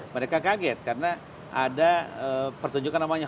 mereka kaget karena ada pertunjukan namanya